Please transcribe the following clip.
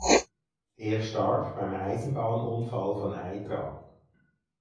Er starb beim Eisenbahnunfall von Aitrang.